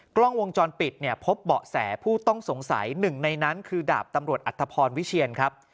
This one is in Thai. กล้องวงจรปิดพบเบาะแสผู้ต้องสงสัย๑ในนั้นคือดาบตำรวจอัฐพรวิเชียน